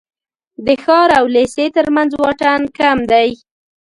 د ښار او لېسې تر منځ واټن کم دی.